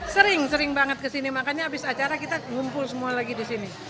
sering sering banget kesini makanya abis acara kita ngumpul semua lagi di sini